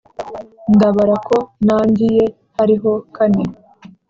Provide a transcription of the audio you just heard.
ndabara ko nangiye hariho kane